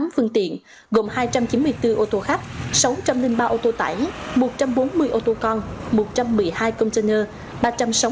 một năm trăm một mươi tám phương tiện gồm hai trăm chín mươi bốn ô tô khách sáu trăm linh ba ô tô tải một trăm bốn mươi ô tô con một trăm một mươi hai container